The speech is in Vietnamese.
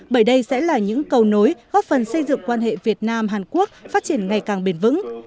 bởi đây sẽ là những cầu nối góp phần xây dựng quan hệ việt nam hàn quốc phát triển ngày càng bền vững